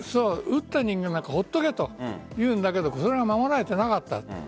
撃った人間なんかほっておけというんだけどそれが守られなかった。